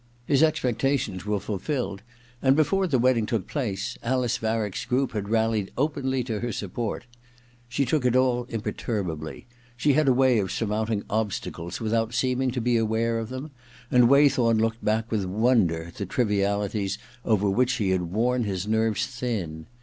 His expecta tions were fulfilled, and before the wedding took place Alice Varick's group had rallied openly to her support. She took it all im perturbably: she had a way of surmounting obstacles without seeming to be aware of them, and Waythorn looked back with wonder at the trivialities over which he had worn his nerves thin.